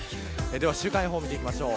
週間予報見ていきましょう。